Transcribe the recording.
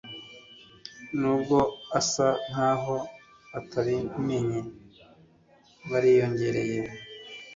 nubwo asa nkaho atabimenye, yariyongereye